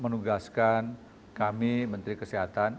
menugaskan kami menteri kesehatan